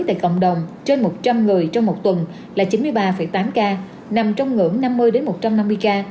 tại cộng đồng trên một trăm linh người trong một tuần là chín mươi ba tám ca nằm trong ngưỡng năm mươi một trăm năm mươi ca